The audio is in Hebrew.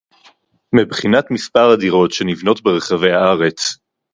מבחינת מספר הדירות שנבנות ברחבי הארץ